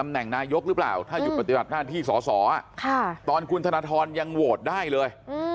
แหน่งนายกหรือเปล่าถ้าหยุดปฏิบัติหน้าที่สอสอตอนคุณธนทรยังโหวตได้เลย